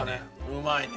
うまいね。